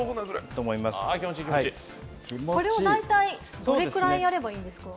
これを大体、どのくらいやればいいですか？